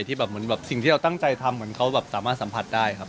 ที่แบบเหมือนแบบสิ่งที่เราตั้งใจทำเหมือนเขาแบบสามารถสัมผัสได้ครับ